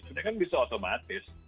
sebenarnya kan bisa otomatis